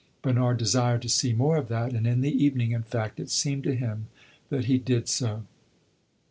Bernard desired to see more of that, and in the evening, in fact, it seemed to him that he did so.